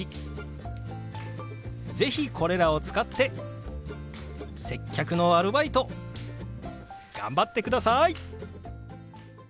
是非これらを使って接客のアルバイト頑張ってください！